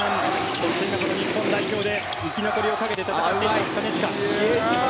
そしてこの日本代表で生き残りをかけて戦っています金近。